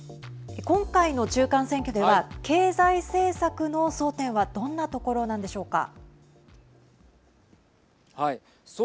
今回の中間選挙では経済政策の争点はどんなところなんでしょうか。